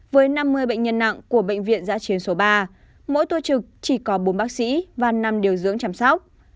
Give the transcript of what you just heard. với năm mươi bệnh nhân nặng của bệnh viện giã chiến số ba mỗi tua trực chỉ có bốn bác sĩ và năm điều dưỡng chăm sóc